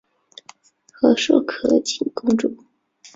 和硕悫靖公主。